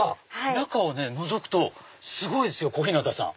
中をのぞくとすごい小日向さん。